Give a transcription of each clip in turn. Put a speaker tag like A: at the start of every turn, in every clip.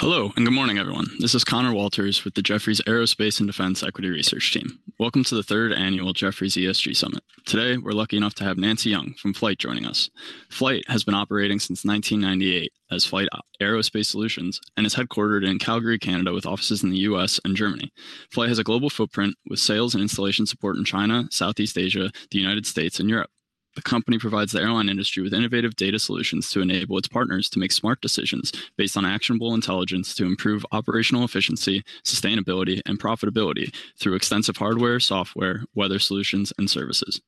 A: Hello, and good morning, everyone. This is Conner Walters with the Jefferies Aerospace and Defense Equity Research Team. Welcome to the third annual Jefferies ESG Summit. Today, we're lucky enough to have Nancy Young from FLYHT joining us. FLYHT has been operating since 1998 as FLYHT Aerospace Solutions and is headquartered in Calgary, Canada, with offices in the U.S. and Germany. FLYHT has a global footprint with sales and installation support in China, Southeast Asia, the United States, and Europe. The company provides the airline industry with innovative data solutions to enable its partners to make smart decisions based on actionable intelligence to improve operational efficiency, sustainability, and profitability through extensive hardware, software, weather solutions, and services.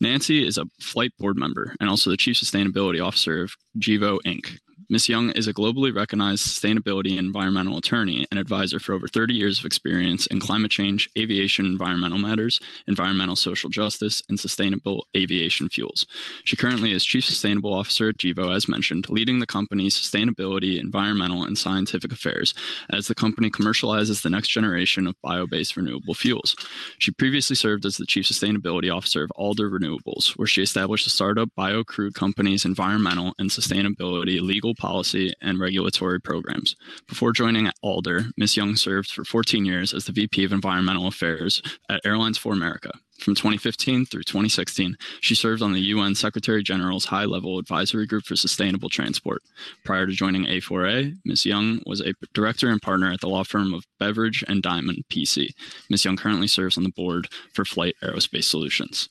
A: Nancy is a FLYHT board member and also the Chief Sustainability Officer of Gevo, Inc. Ms. Young is a globally recognized sustainability and environmental attorney and advisor for over 30 years of experience in climate change, aviation environmental matters, environmental social justice, and sustainable aviation fuels. She currently is Chief Sustainability Officer at Gevo, as mentioned, leading the company's sustainability, environmental, and scientific affairs as the company commercializes the next generation of bio-based renewable fuels. She previously served as the Chief Sustainability Officer of Alder Renewables, where she established a startup bio-crude company's environmental and sustainability legal policy and regulatory programs. Before joining Alder, Ms. Young served for 14 years as the VP of Environmental Affairs at Airlines for America. From 2015 through 2016, she served on the U.N. Secretary-General's high-level advisory group for sustainable transport. Prior to joining A4A, Ms. Young was a director and partner at the law firm of Beveridge & Diamond, P.C. Ms. Young currently serves on the board for FLYHT Aerospace Solutions.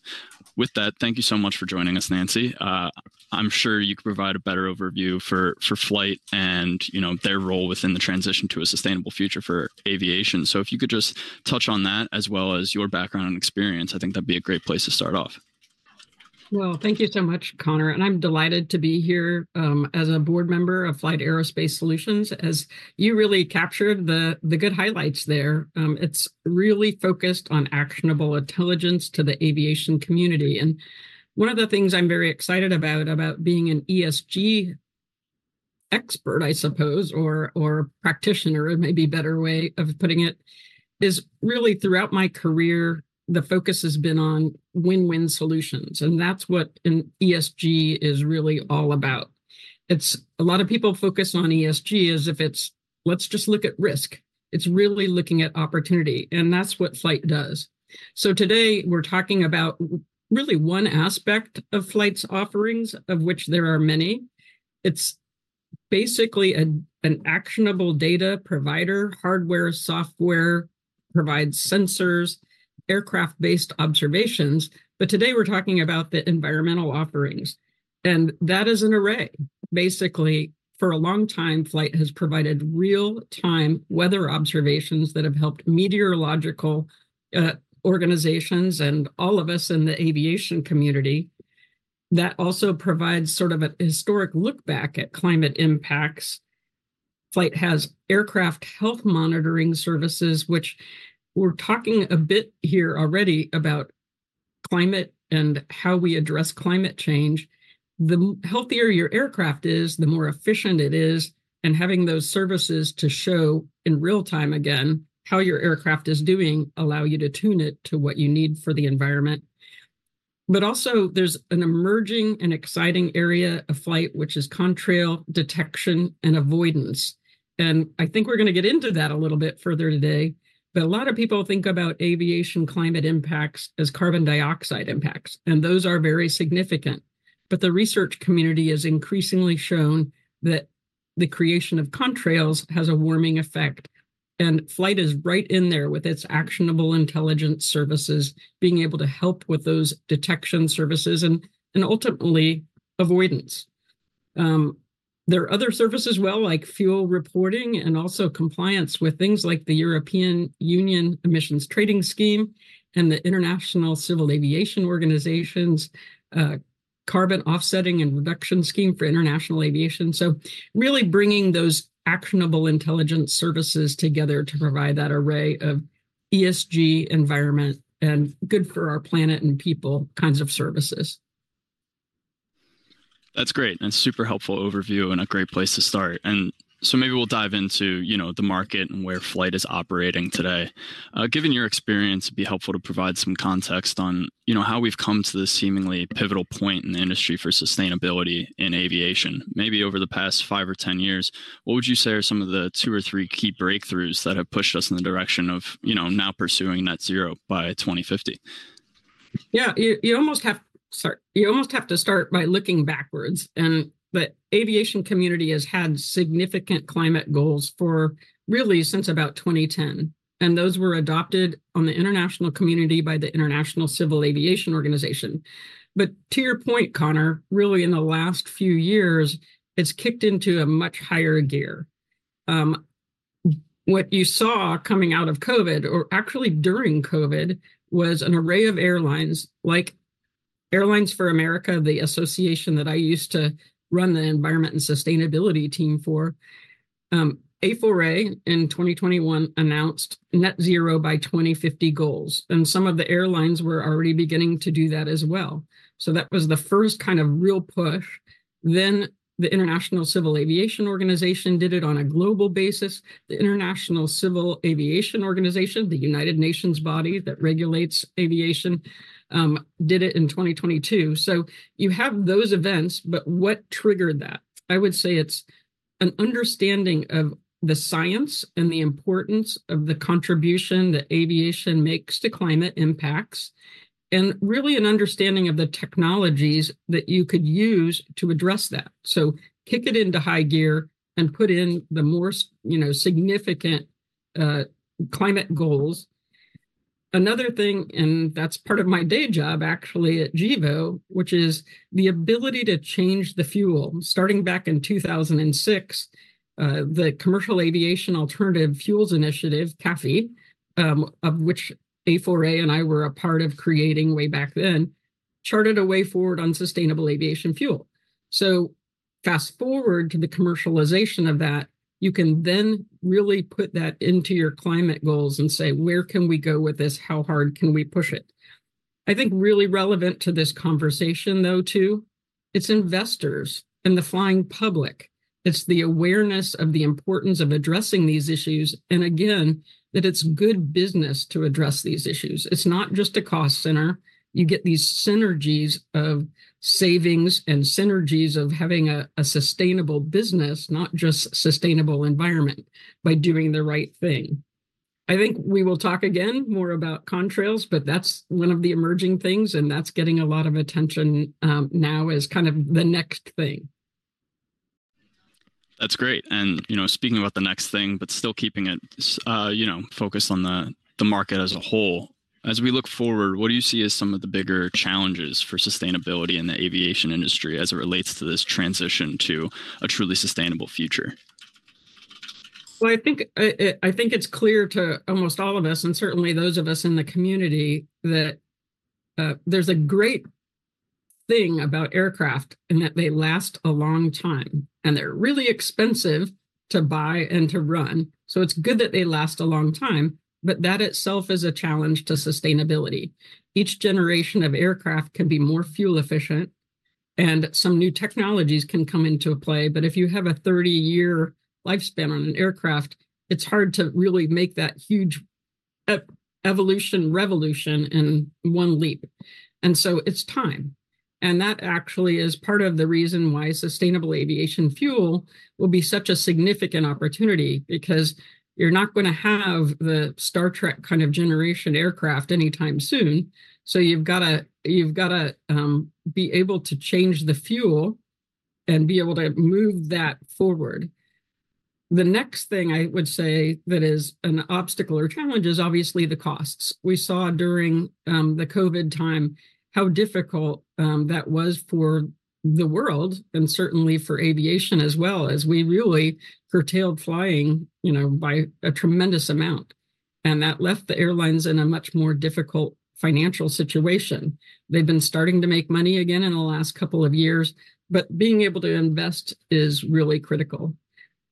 A: With that, thank you so much for joining us, Nancy. I'm sure you could provide a better overview for FLYHT and their role within the transition to a sustainable future for aviation. If you could just touch on that, as well as your background and experience, I think that'd be a great place to start off.
B: Well, thank you so much, Conner. I'm delighted to be here as a board member of FLYHT Aerospace Solutions, as you really captured the good highlights there. It's really focused on actionable intelligence to the aviation community. One of the things I'm very excited about, about being an ESG expert, I suppose, or practitioner, it may be a better way of putting it, is really throughout my career, the focus has been on win-win solutions. That's what an ESG is really all about. A lot of people focus on ESG as if it's, let's just look at risk. It's really looking at opportunity. That's what FLYHT does. Today, we're talking about really one aspect of FLYHT's offerings, of which there are many. It's basically an actionable data provider, hardware, software, provides sensors, aircraft-based observations. But today, we're talking about the environmental offerings. That is an array. Basically, for a long time, FLYHT has provided real-time weather observations that have helped meteorological organizations and all of us in the aviation community. That also provides sort of a historic look back at climate impacts. FLYHT has aircraft health monitoring services, which we're talking a bit here already about climate and how we address climate change. The healthier your aircraft is, the more efficient it is. And having those services to show in real time, again, how your aircraft is doing allows you to tune it to what you need for the environment. But also, there's an emerging and exciting area of FLYHT, which is contrail detection and avoidance. And I think we're going to get into that a little bit further today. But a lot of people think about aviation climate impacts as carbon dioxide impacts. And those are very significant. But the research community has increasingly shown that the creation of contrails has a warming effect. And FLYHT is right in there with its actionable intelligence services, being able to help with those detection services and ultimately avoidance. There are other services as well, like fuel reporting and also compliance with things like the European Union Emissions Trading System and the International Civil Aviation Organization's Carbon Offsetting and Reduction Scheme for International Aviation. So really bringing those actionable intelligence services together to provide that array of ESG, environment, and good for our planet and people kinds of services.
A: That's great. That's a super helpful overview and a great place to start. And so maybe we'll dive into the market and where FLYHT is operating today. Given your experience, it'd be helpful to provide some context on how we've come to this seemingly pivotal point in the industry for sustainability in aviation, maybe over the past five or 10 years. What would you say are some of the two or three key breakthroughs that have pushed us in the direction of now pursuing net zero by 2050?
B: Yeah, you almost have to start by looking backwards. The aviation community has had significant climate goals for really since about 2010. Those were adopted on the international community by the International Civil Aviation Organization. But to your point, Conner, really in the last few years, it's kicked into a much higher gear. What you saw coming out of COVID, or actually during COVID, was an array of airlines, like Airlines for America, the association that I used to run the environment and sustainability team for. A4A in 2021 announced net zero by 2050 goals. Some of the airlines were already beginning to do that as well. That was the first kind of real push. The International Civil Aviation Organization did it on a global basis. The International Civil Aviation Organization, the United Nations body that regulates aviation, did it in 2022. So you have those events, but what triggered that? I would say it's an understanding of the science and the importance of the contribution that aviation makes to climate impacts, and really an understanding of the technologies that you could use to address that. So kick it into high gear and put in the more significant climate goals. Another thing, and that's part of my day job actually at Gevo, which is the ability to change the fuel. Starting back in 2006, the Commercial Aviation Alternative Fuels Initiative, CAAFI, of which A4A and I were a part of creating way back then, charted a way forward on sustainable aviation fuel. So fast forward to the commercialization of that, you can then really put that into your climate goals and say, where can we go with this? How hard can we push it? I think really relevant to this conversation, though, too, it's investors and the flying public. It's the awareness of the importance of addressing these issues. Again, that it's good business to address these issues. It's not just a cost center. You get these synergies of savings and synergies of having a sustainable business, not just sustainable environment, by doing the right thing. I think we will talk again more about contrails, but that's one of the emerging things. That's getting a lot of attention now as kind of the next thing.
A: That's great. Speaking about the next thing, but still keeping it focused on the market as a whole, as we look forward, what do you see as some of the bigger challenges for sustainability in the aviation industry as it relates to this transition to a truly sustainable future?
B: Well, I think it's clear to almost all of us, and certainly those of us in the community, that there's a great thing about aircraft in that they last a long time. And they're really expensive to buy and to run. So it's good that they last a long time, but that itself is a challenge to sustainability. Each generation of aircraft can be more fuel efficient, and some new technologies can come into play. But if you have a 30-year lifespan on an aircraft, it's hard to really make that huge evolution revolution in one leap. And so it's time. And that actually is part of the reason why sustainable aviation fuel will be such a significant opportunity, because you're not going to have the Star Trek kind of generation aircraft anytime soon. So you've got to be able to change the fuel and be able to move that forward. The next thing I would say that is an obstacle or challenge is obviously the costs. We saw during the COVID time how difficult that was for the world, and certainly for aviation as well, as we really curtailed flying by a tremendous amount. That left the airlines in a much more difficult financial situation. They've been starting to make money again in the last couple of years. But being able to invest is really critical.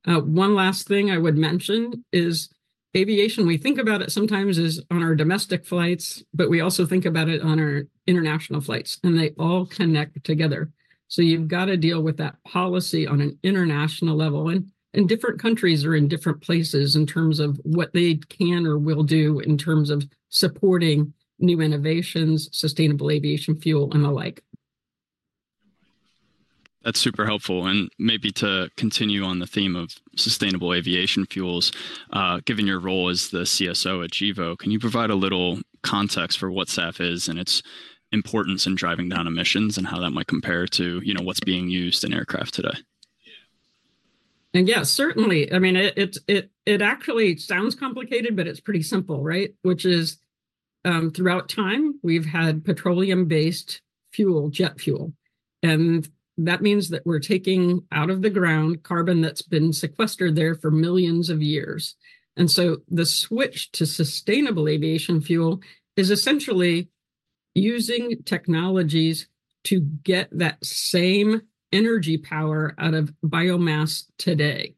B: One last thing I would mention is aviation. We think about it sometimes as on our domestic flights, but we also think about it on our international flights. They all connect together. So you've got to deal with that policy on an international level. Different countries are in different places in terms of what they can or will do in terms of supporting new innovations, sustainable aviation fuel, and the like.
A: That's super helpful. Maybe to continue on the theme of sustainable aviation fuels, given your role as the CSO at Gevo, can you provide a little context for what SAF is and its importance in driving down emissions and how that might compare to what's being used in aircraft today?
B: And yeah, certainly. I mean, it actually sounds complicated, but it's pretty simple, right? Which is throughout time, we've had petroleum-based fuel, jet fuel. And that means that we're taking out of the ground carbon that's been sequestered there for millions of years. And so the switch to sustainable aviation fuel is essentially using technologies to get that same energy power out of biomass today.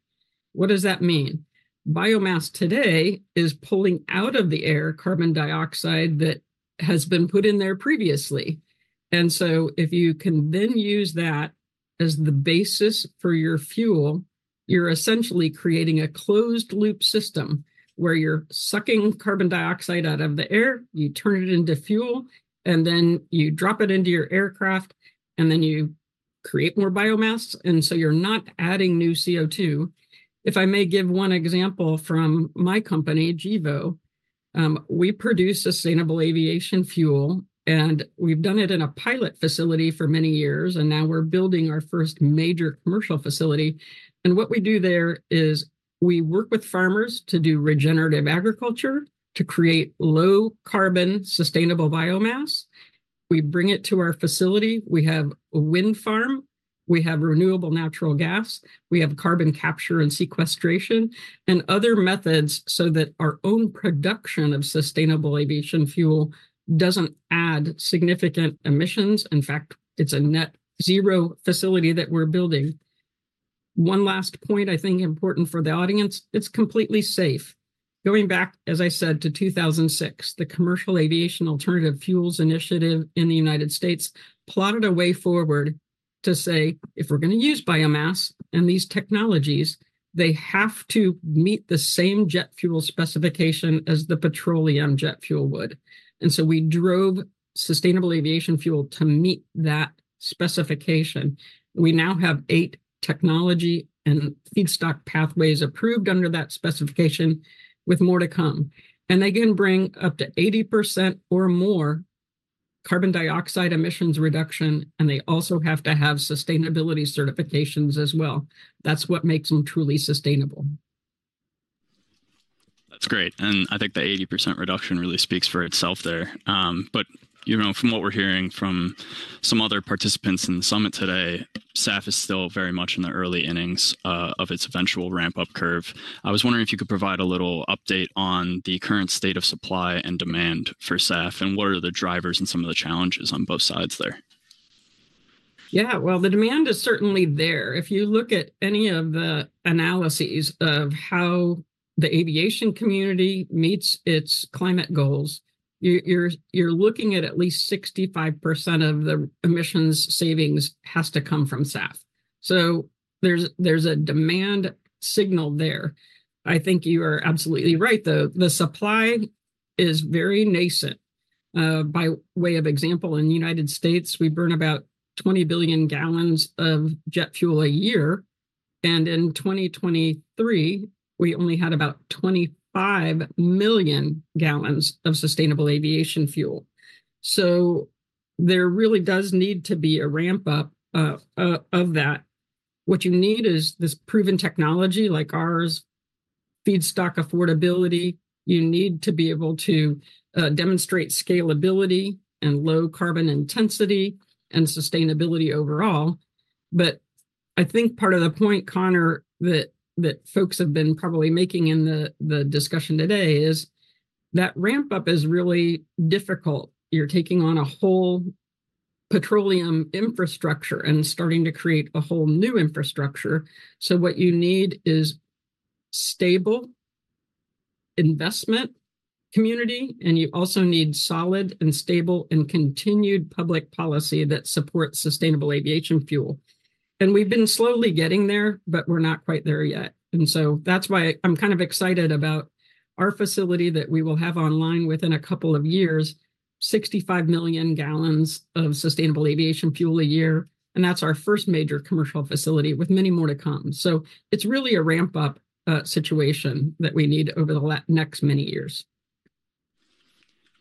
B: What does that mean? Biomass today is pulling out of the air carbon dioxide that has been put in there previously. And so if you can then use that as the basis for your fuel, you're essentially creating a closed-loop system where you're sucking carbon dioxide out of the air, you turn it into fuel, and then you drop it into your aircraft, and then you create more biomass. And so you're not adding new CO2. If I may give one example from my company, Gevo, we produce sustainable aviation fuel. We've done it in a pilot facility for many years. Now we're building our first major commercial facility. What we do there is we work with farmers to do regenerative agriculture to create low-carbon sustainable biomass. We bring it to our facility. We have a wind farm. We have renewable natural gas. We have carbon capture and sequestration and other methods so that our own production of sustainable aviation fuel doesn't add significant emissions. In fact, it's a net zero facility that we're building. One last point I think important for the audience, it's completely safe. Going back, as I said, to 2006, the Commercial Aviation Alternative Fuels Initiative in the United States plotted a way forward to say, if we're going to use biomass and these technologies, they have to meet the same jet fuel specification as the petroleum jet fuel would. And so we drove sustainable aviation fuel to meet that specification. We now have eight technology and feedstock pathways approved under that specification, with more to come. And they can bring up to 80% or more carbon dioxide emissions reduction. And they also have to have sustainability certifications as well. That's what makes them truly sustainable.
A: That's great. And I think the 80% reduction really speaks for itself there. But from what we're hearing from some other participants in the summit today, SAF is still very much in the early innings of its eventual ramp-up curve. I was wondering if you could provide a little update on the current state of supply and demand for SAF, and what are the drivers and some of the challenges on both sides there?
B: Yeah, well, the demand is certainly there. If you look at any of the analyses of how the aviation community meets its climate goals, you're looking at at least 65% of the emissions savings has to come from SAF. So there's a demand signal there. I think you are absolutely right, though. The supply is very nascent. By way of example, in the United States, we burn about 20 billion gal of jet fuel a year. And in 2023, we only had about 25 million gal of sustainable aviation fuel. So there really does need to be a ramp-up of that. What you need is this proven technology like ours, feedstock affordability. You need to be able to demonstrate scalability and low carbon intensity and sustainability overall. But I think part of the point, Conner, that folks have been probably making in the discussion today is that ramp-up is really difficult. You're taking on a whole petroleum infrastructure and starting to create a whole new infrastructure. So what you need is stable investment community. And you also need solid and stable and continued public policy that supports sustainable aviation fuel. And we've been slowly getting there, but we're not quite there yet. And so that's why I'm kind of excited about our facility that we will have online within a couple of years, 65 million gal of sustainable aviation fuel a year. And that's our first major commercial facility with many more to come. So it's really a ramp-up situation that we need over the next many years.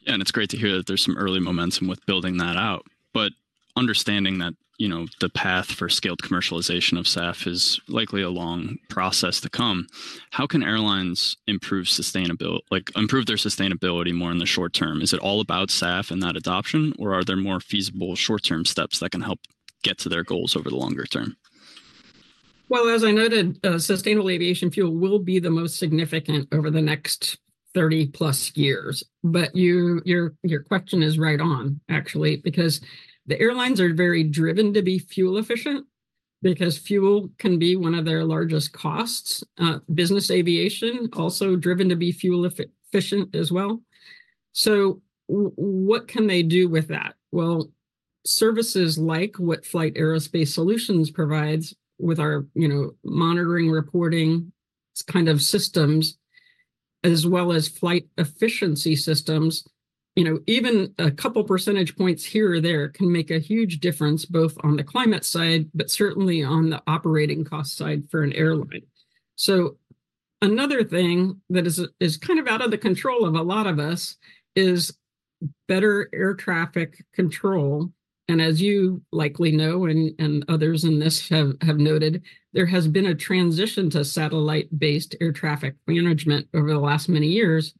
A: Yeah, and it's great to hear that there's some early momentum with building that out. But understanding that the path for scaled commercialization of SAF is likely a long process to come, how can airlines improve their sustainability more in the short term? Is it all about SAF and that adoption, or are there more feasible short-term steps that can help get to their goals over the longer term?
B: Well, as I noted, sustainable aviation fuel will be the most significant over the next 30+ years. But your question is right on, actually, because the airlines are very driven to be fuel efficient because fuel can be one of their largest costs. Business aviation is also driven to be fuel efficient as well. So what can they do with that? Well, services like what FLYHT Aerospace Solutions provides with our monitoring, reporting kind of systems, as well as flight efficiency systems, even a couple percentage points here or there can make a huge difference both on the climate side, but certainly on the operating cost side for an airline. So another thing that is kind of out of the control of a lot of us is better air traffic control. As you likely know and others in this have noted, there has been a transition to satellite-based air traffic management over the last many years.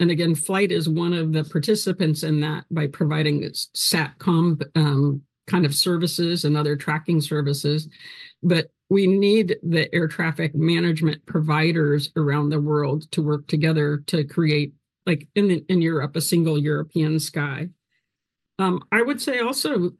B: And again, FLYHT is one of the participants in that by providing its SATCOM kind of services and other tracking services. But we need the air traffic management providers around the world to work together to create, in Europe, a Single European Sky. I would say also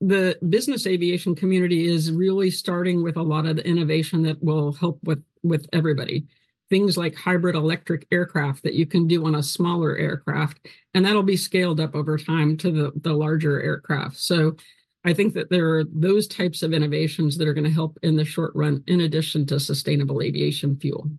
B: the business aviation community is really starting with a lot of the innovation that will help with everybody, things like hybrid electric aircraft that you can do on a smaller aircraft. And that'll be scaled up over time to the larger aircraft. So I think that there are those types of innovations that are going to help in the short run in addition to sustainable aviation fuel.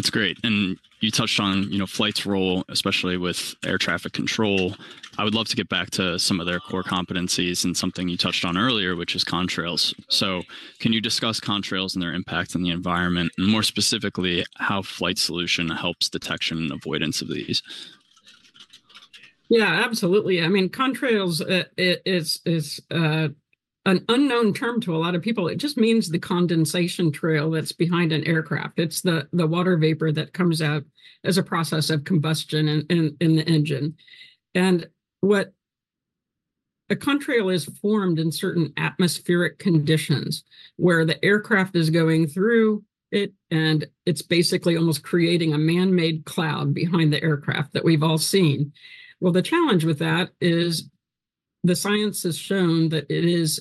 A: That's great. You touched on FLYHT's role, especially with air traffic control. I would love to get back to some of their core competencies and something you touched on earlier, which is contrails. Can you discuss contrails and their impact on the environment, and more specifically, how FLYHT Solutions helps detection and avoidance of these?
B: Yeah, absolutely. I mean, contrails is an unknown term to a lot of people. It just means the condensation trail that's behind an aircraft. It's the water vapor that comes out as a process of combustion in the engine. And a contrail is formed in certain atmospheric conditions where the aircraft is going through it, and it's basically almost creating a man-made cloud behind the aircraft that we've all seen. Well, the challenge with that is the science has shown that it is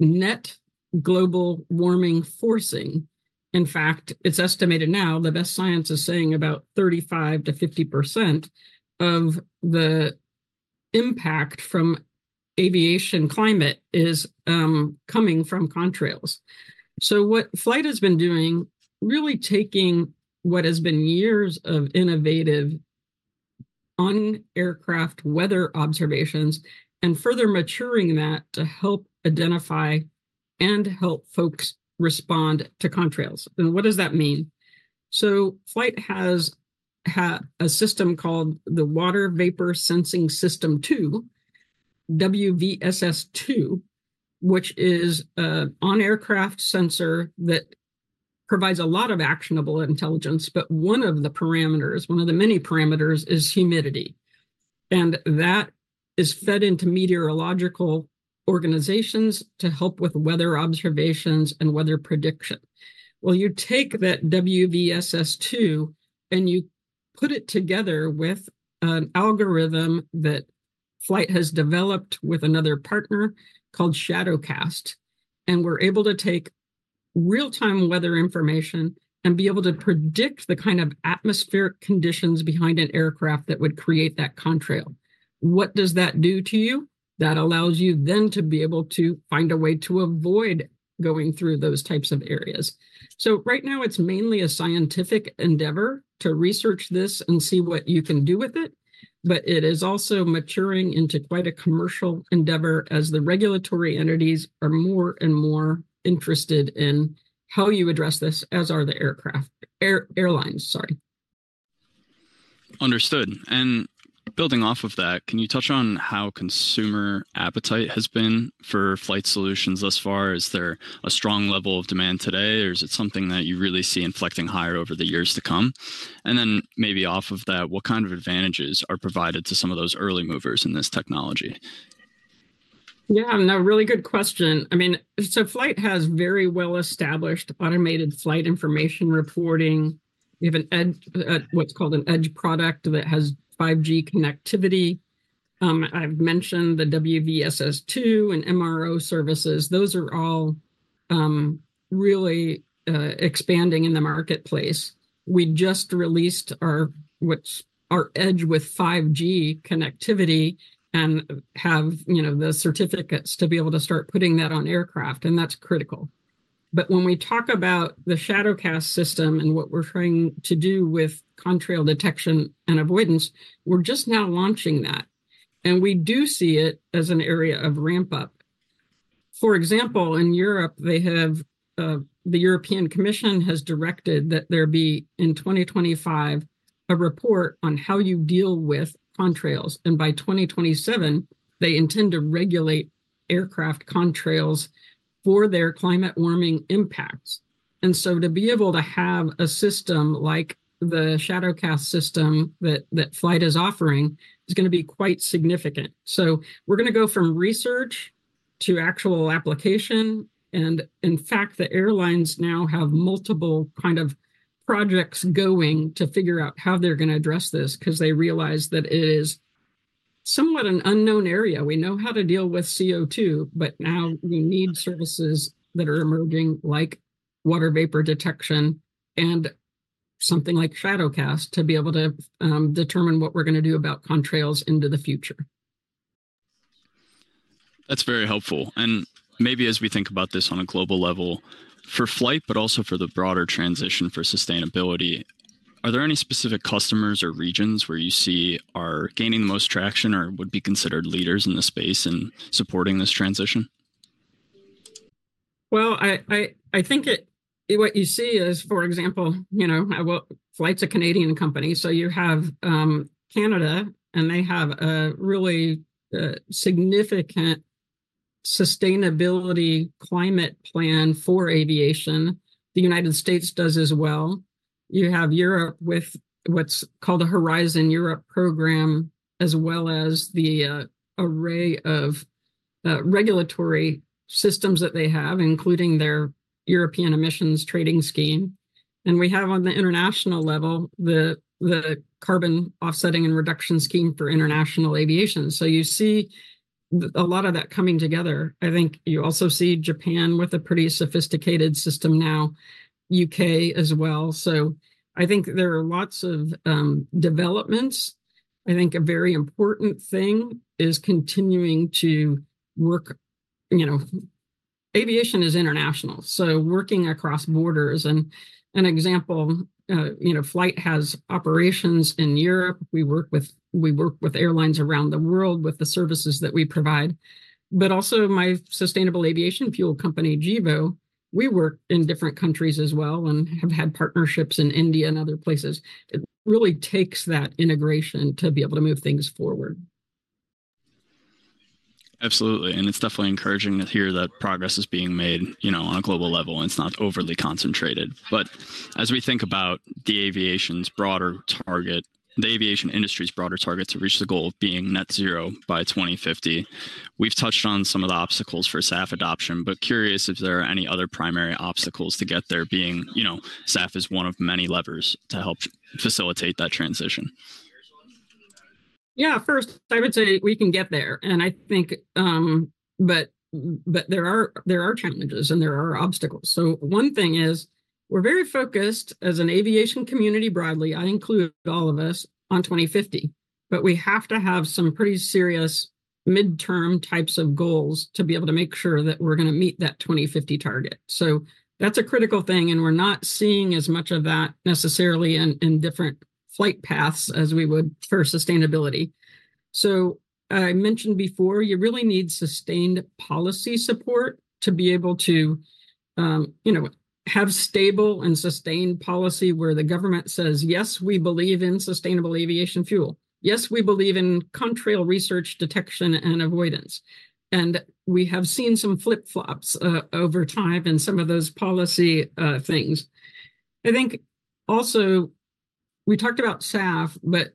B: net global warming forcing. In fact, it's estimated now the best science is saying about 35%-50% of the impact from aviation climate is coming from contrails. So what FLYHT has been doing is really taking what has been years of innovative on-aircraft weather observations and further maturing that to help identify and help folks respond to contrails. And what does that mean? FLYHT has a system called the Water Vapor Sensing System II, WVSS-II, which is an on-aircraft sensor that provides a lot of actionable intelligence. But one of the parameters, one of the many parameters, is humidity. And that is fed into meteorological organizations to help with weather observations and weather prediction. Well, you take that WVSS-II and you put it together with an algorithm that FLYHT has developed with another partner called ShadowCast. And we're able to take real-time weather information and be able to predict the kind of atmospheric conditions behind an aircraft that would create that contrail. What does that do to you? That allows you then to be able to find a way to avoid going through those types of areas. Right now, it's mainly a scientific endeavor to research this and see what you can do with it. But it is also maturing into quite a commercial endeavor as the regulatory entities are more and more interested in how you address this, as are the airlines, sorry.
A: Understood. And building off of that, can you touch on how consumer appetite has been for FLYHT Solutions thus far? Is there a strong level of demand today, or is it something that you really see inflecting higher over the years to come? And then maybe off of that, what kind of advantages are provided to some of those early movers in this technology?
B: Yeah, no, really good question. I mean, so FLYHT has very well-established automated flight information reporting. We have what's called an Edge product that has 5G connectivity. I've mentioned the WVSS-II and MRO services. Those are all really expanding in the marketplace. We just released our Edge with 5G connectivity and have the certificates to be able to start putting that on aircraft. And that's critical. But when we talk about the ShadowCast system and what we're trying to do with contrail detection and avoidance, we're just now launching that. And we do see it as an area of ramp-up. For example, in Europe, the European Commission has directed that there be in 2025 a report on how you deal with contrails. And by 2027, they intend to regulate aircraft contrails for their climate warming impacts. So to be able to have a system like the ShadowCast system that FLYHT is offering is going to be quite significant. So we're going to go from research to actual application. In fact, the airlines now have multiple kind of projects going to figure out how they're going to address this because they realize that it is somewhat an unknown area. We know how to deal with CO2, but now we need services that are emerging like water vapor detection and something like ShadowCast to be able to determine what we're going to do about contrails into the future.
A: That's very helpful. Maybe as we think about this on a global level for FLYHT, but also for the broader transition for sustainability, are there any specific customers or regions where you see are gaining the most traction or would be considered leaders in the space in supporting this transition?
B: Well, I think what you see is, for example, FLYHT's a Canadian company. So you have Canada, and they have a really significant sustainability climate plan for aviation. The United States does as well. You have Europe with what's called a Horizon Europe program, as well as the array of regulatory systems that they have, including their European emissions trading scheme. And we have on the international level the Carbon Offsetting and Reduction Scheme for International Aviation. So you see a lot of that coming together. I think you also see Japan with a pretty sophisticated system now, the UK as well. So I think there are lots of developments. I think a very important thing is continuing to work. Aviation is international, so working across borders. And an example, FLYHT has operations in Europe. We work with airlines around the world with the services that we provide. But also my sustainable aviation fuel company, Gevo, we work in different countries as well and have had partnerships in India and other places. It really takes that integration to be able to move things forward.
A: Absolutely. It's definitely encouraging to hear that progress is being made on a global level and it's not overly concentrated. But as we think about the aviation's broader target, the aviation industry's broader target to reach the goal of being net zero by 2050, we've touched on some of the obstacles for SAF adoption, but curious if there are any other primary obstacles to get there, being SAF is one of many levers to help facilitate that transition.
B: Yeah, first, I would say we can get there. And I think, but there are challenges and there are obstacles. So one thing is we're very focused as an aviation community broadly, I include all of us, on 2050. But we have to have some pretty serious midterm types of goals to be able to make sure that we're going to meet that 2050 target. So that's a critical thing. And we're not seeing as much of that necessarily in different flight paths as we would for sustainability. So I mentioned before, you really need sustained policy support to be able to have stable and sustained policy where the government says, yes, we believe in sustainable aviation fuel. Yes, we believe in contrail research, detection, and avoidance. And we have seen some flip-flops over time in some of those policy things. I think also we talked about SAF, but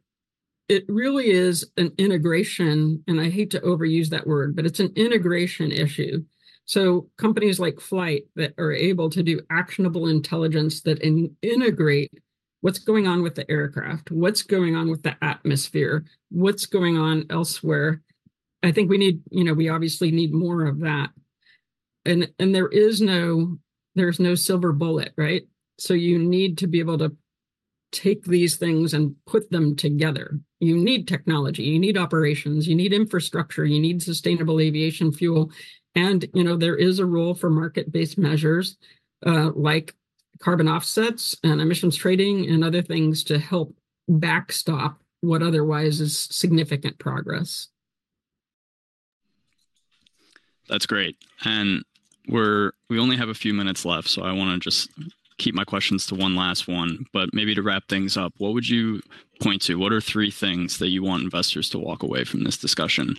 B: it really is an integration, and I hate to overuse that word, but it's an integration issue. So companies like FLYHT that are able to do actionable intelligence that integrate what's going on with the aircraft, what's going on with the atmosphere, what's going on elsewhere, I think we obviously need more of that. And there's no silver bullet, right? So you need to be able to take these things and put them together. You need technology. You need operations. You need infrastructure. You need sustainable aviation fuel. And there is a role for market-based measures like carbon offsets and emissions trading and other things to help backstop what otherwise is significant progress.
A: That's great. And we only have a few minutes left, so I want to just keep my questions to one last one. But maybe to wrap things up, what would you point to? What are three things that you want investors to walk away from this discussion,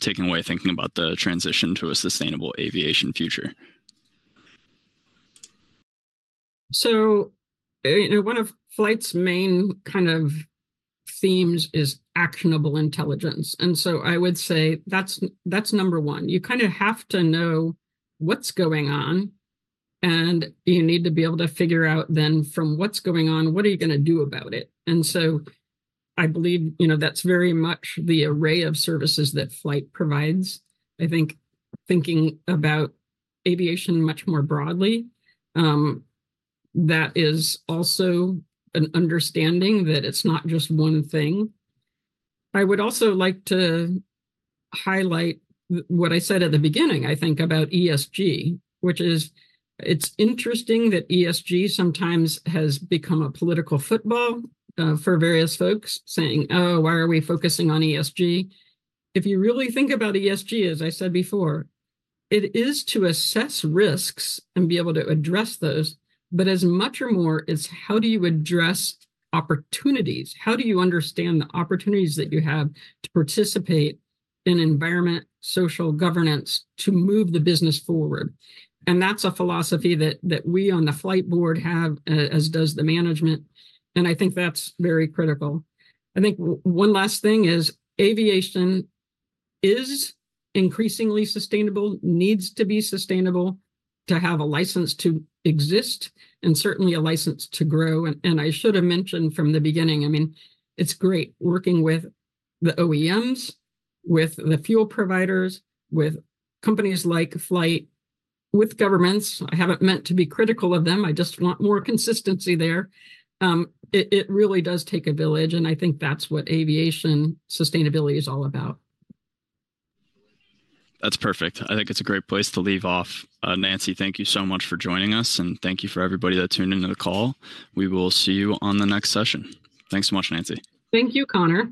A: taking away thinking about the transition to a sustainable aviation future?
B: So one of FLYHT's main kind of themes is actionable intelligence. And so I would say that's number one. You kind of have to know what's going on, and you need to be able to figure out then from what's going on, what are you going to do about it? And so I believe that's very much the array of services that FLYHT provides. I think thinking about aviation much more broadly, that is also an understanding that it's not just one thing. I would also like to highlight what I said at the beginning, I think, about ESG, which is it's interesting that ESG sometimes has become a political football for various folks saying, oh, why are we focusing on ESG? If you really think about ESG, as I said before, it is to assess risks and be able to address those. But as much or more is how do you address opportunities? How do you understand the opportunities that you have to participate in environment, social governance to move the business forward? And that's a philosophy that we on the FLYHT board have, as does the management. And I think that's very critical. I think one last thing is aviation is increasingly sustainable, needs to be sustainable to have a license to exist, and certainly a license to grow. And I should have mentioned from the beginning, I mean, it's great working with the OEMs, with the fuel providers, with companies like FLYHT, with governments. I haven't meant to be critical of them. I just want more consistency there. It really does take a village. And I think that's what aviation sustainability is all about.
A: That's perfect. I think it's a great place to leave off. Nancy, thank you so much for joining us. Thank you for everybody that tuned into the call. We will see you on the next session. Thanks so much, Nancy.
B: Thank you, Conner.